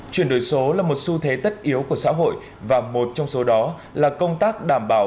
chuyển đổi số là một xu thế tất yếu của xã hội và một trong số đó là công tác đảm bảo